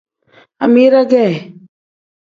Amida ge.